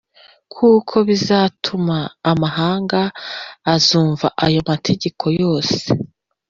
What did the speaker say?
kuko bizatuma amahanga azumva ayo mategeko yose